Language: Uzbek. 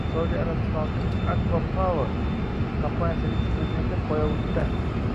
Saudiya Arabistonining “Acwa Power ” kompaniyasi vitse-prezidenti Boyovutda